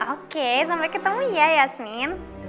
oke sampai ketemu ya yasmin